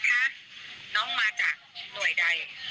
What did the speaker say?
บอกน้องคะน้องมาจากหน่วยใด